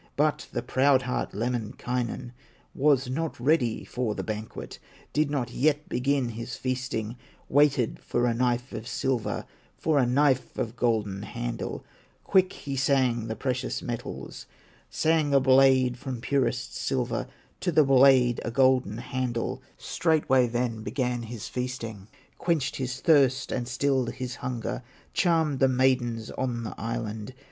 But the proud heart, Lemminkainen, Was not ready for the banquet, Did not yet begin his feasting, Waited for a knife of silver, For a knife of golden handle; Quick he sang the precious metals, Sang a blade from purest silver, To the blade a golden handle, Straightway then began his feasting, Quenched his thirst and stilled his hunger, Charmed the maidens on the island.